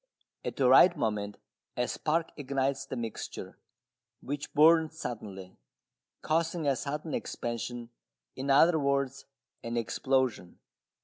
At the right moment a spark ignites the mixture, which burns suddenly, causing a sudden expansion, in other words, an explosion.